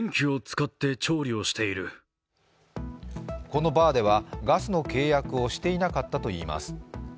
このバーではガスの契約をしていなかったといいます。